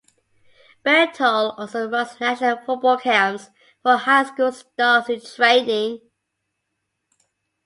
Beightol also runs a national football camps for high school stars in training.